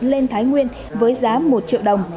lên thái nguyên với giá một triệu đồng